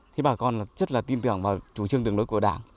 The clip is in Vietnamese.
thì bà con rất là tin tưởng vào chủ trương đường lưới của đảng